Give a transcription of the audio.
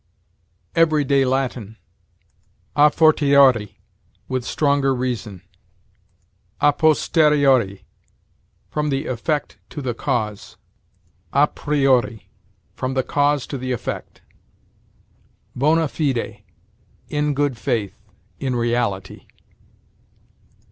EVERY DAY LATIN. A fortiori: with stronger reason. A posteriori: from the effect to the cause. A priori: from the cause to the effect. Bona fide: in good faith; in reality.